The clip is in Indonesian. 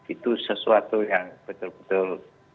itu sesuatu yang betul betul